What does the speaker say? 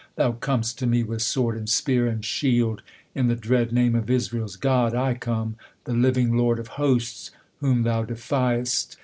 Thou com'st to me with sword, and spear, and shield ! In the dread name of Israel's God, I come ; The living Lorcf of Hosts, whom thou defys't!